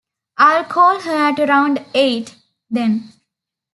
I'll call her at around eight, then.